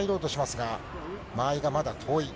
間合いがまだ遠い。